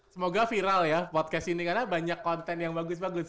semoga viral ya podcast ini karena banyak konten yang bagus bagus